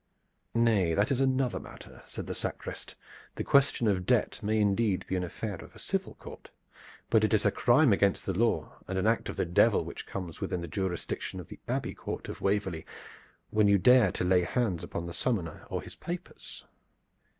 "Nay, that is another matter," said the sacrist. "The question of debt may indeed be an affair of a civil court. But it is a crime against the law and an act of the Devil, which comes within the jurisdiction of the Abbey Court of Waverley when you dare to lay hands upon the summoner or his papers."